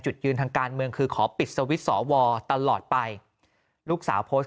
จุดยืนทางการเมืองคือขอปิดสวิตช์สอวอตลอดไปลูกสาวโพสต์